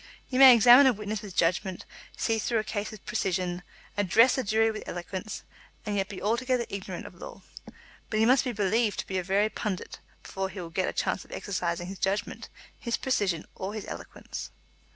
He may examine a witness with judgment, see through a case with precision, address a jury with eloquence, and yet be altogether ignorant of law. But he must be believed to be a very pundit before he will get a chance of exercising his judgment, his precision, or his eloquence.